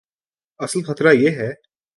اصل خطرہ یہ ہے۔